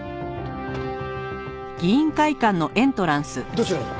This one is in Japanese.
どちらに？